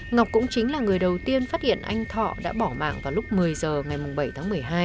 ngọc cũng chính là người đầu tiên phát hiện anh thọ đã bỏ mạng vào lúc một mươi h ngày bảy tháng một mươi hai